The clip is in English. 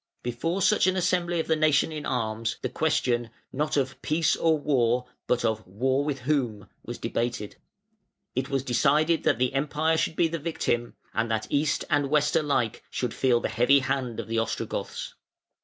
Before such an assembly of the nation in arms, the question, not of Peace or War? but of War with whom? was debated. It was decided that the Empire should be the victim, and that East and West alike should feel the heavy hand of the Ostrogoths.